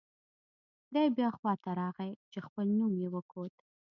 دی بیا خوا ته راغی چې خپل نوم یې وکوت.